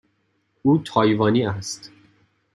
او تایوانی است.